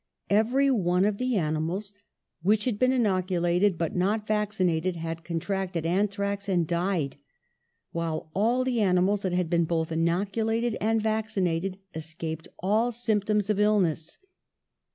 Every one of the animals which had been inoculated but not vaccinated had contracted anthrax and died, while all the animals that had been both inoculated and vaccinated escaped all symp toms of illness.